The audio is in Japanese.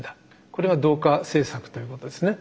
これが同化政策ということですね。